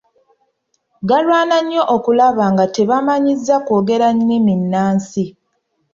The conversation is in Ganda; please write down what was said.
Galwana nnyo okulaba nga tebeemanyiiza kwogera nnimi nnansi.